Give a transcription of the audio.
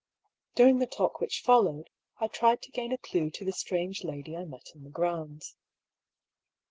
During the talk which followed, I tried to gain a clue to the strange lady I met in the grounds.